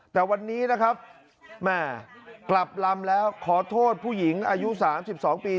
แต่วันนี้นะครับแม่กลับลำแล้วขอโทษผู้หญิงอายุ๓๒ปี